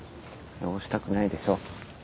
汚したくないでしょ。